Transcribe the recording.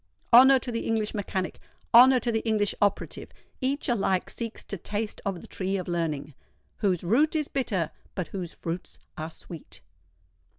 Honour to the English mechanic—honour to the English operative: each alike seeks to taste of the tree of learning, "whose root is bitter, but whose fruits are sweet!"